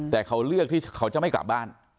แต่เขาเลือกที่เขาจะไม่กลับบ้าน